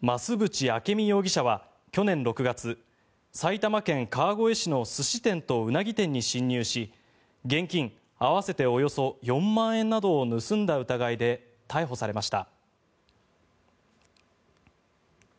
増渕明美容疑者は去年６月埼玉県川越市の寿司店とウナギ店に侵入し現金合わせておよそ４万円などを盗んだ疑いで逮捕されました。